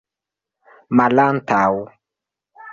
malantaŭ